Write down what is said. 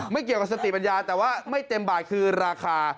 ไม่เกี่ยวกับสติปัญญาแต่ว่าไม่เต็มบาทคือราคา